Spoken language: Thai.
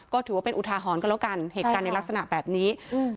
ก็ถือว่าเป็นอุทาหรณ์กันแล้วกันเหตุการณ์ในลักษณะแบบนี้อืม